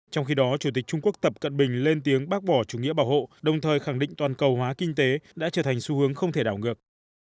trong khi đó chủ tịch trung quốc tập cận bình lên tiếng bác bỏ chủ nghĩa bảo hộ đồng thời khẳng định toàn cầu hóa kinh tế đã trở thành xu hướng không thể đảo ngược